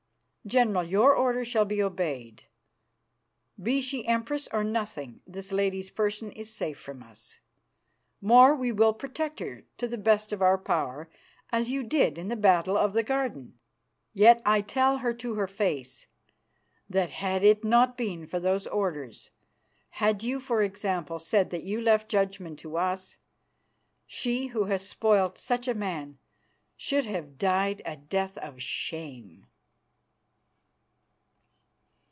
General, your order shall be obeyed. Be she Empress or nothing, this lady's person is safe from us. More, we will protect her to the best of our power, as you did in the Battle of the Garden. Yet I tell her to her face that had it not been for those orders, had you, for example, said that you left judgment to us, she who has spoilt such a man should have died a death of shame."